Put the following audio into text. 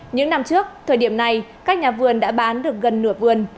những năm trước thời điểm này các nhà vườn đã bán được gần nửa vườn